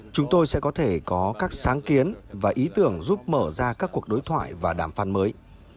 chúng tôi sẽ có thể có các sáng kiến và ý tưởng giúp mở ra các cuộc đối thoại và đàm phán mới